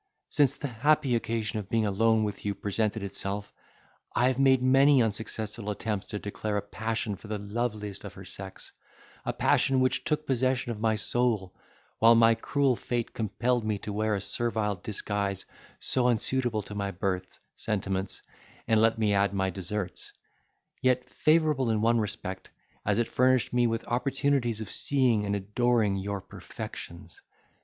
Since the happy occasion of being alone with you presented itself, I have made many unsuccessful attempts to declare a passion for the loveliest of her sex—a passion which took possession of my soul, while my cruel fate compelled me to wear a servile disguise so unsuitable to my birth, sentiments, and let me add, my deserts; yet favourable in one respect, as it furnished me with opportunities of seeing and adoring your perfections.